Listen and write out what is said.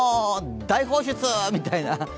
大放出！みたいな。